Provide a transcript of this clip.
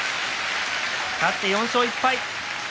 勝って４勝１敗。